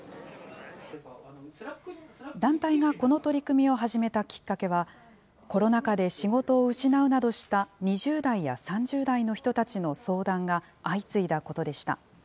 団体がこの取り組みを始めたきっかけは、コロナ禍で仕事を失うなどした２０代や３０代の人たちの相談が相次いだことでした。